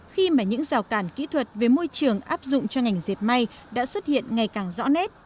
khi mà những rào cản kỹ thuật về môi trường áp dụng cho ngành dẹp may đã xuất hiện ngày càng rõ nét